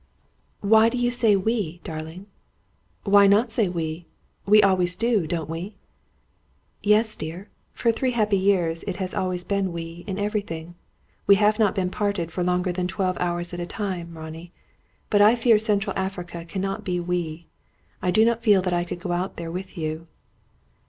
"Why do you say 'we,' darling?" "Why not say 'we'? We always do, don't we?" "Yes, dear. For three happy years it has always been 'we,' in everything. We have not been parted for longer than twelve hours at a time, Ronnie. But I fear Central Africa cannot be 'we.' I do not feel that I could go out there with you."